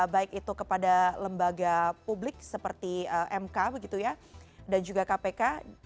baik itu kepada lembaga publik seperti mk begitu ya dan juga kpk